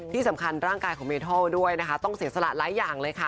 ที่สำคัญร่างกายของเมทัลด้วยนะคะต้องเสียสละหลายอย่างเลยค่ะ